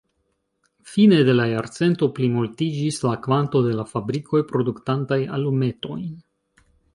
Fine de la jarcento plimultiĝis la kvanto de la fabrikoj produktantaj alumetojn.